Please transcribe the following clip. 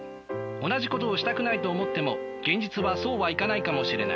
同じことをしたくないと思っても現実はそうはいかないかもしれない。